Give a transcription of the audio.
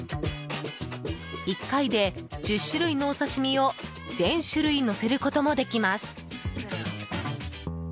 １回で、１０種類のお刺し身を全種類のせることもできます。